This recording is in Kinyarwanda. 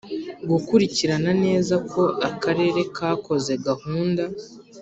Gukurikirana neza ko Akarere kakoze gahunda